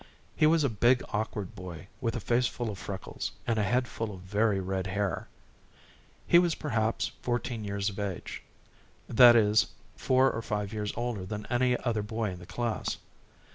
He was a big awkward boy with a face full of freckles and a head full of very red hair. He was perhaps fourteen years of age; that is, four or five years older than any other boy in the class.